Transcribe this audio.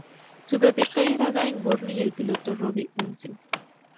Su propietario era Dan Gurney y el piloto Bobby Unser.